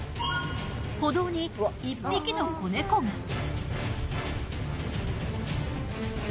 歩道に１匹の子猫が。